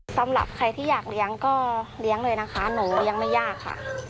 สำหรับใครที่อยากเลี้ยงก็เลี้ยงเลยนะคะหนูเลี้ยงไม่ยากค่ะ